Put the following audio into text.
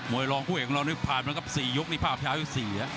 วยรองผู้เอกของเรานี่ผ่านมาครับ๔ยกนี่ภาพช้ายกที่๔